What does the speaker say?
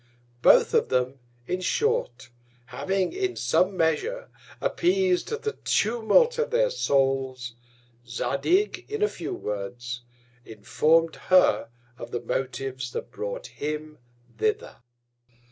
Both of them, in short, having, in some Measure, appeas'd the Tumult of their Souls; Zadig, in a few Words, inform'd her of the Motives that brought him thither.